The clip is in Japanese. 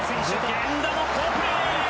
源田の好プレー！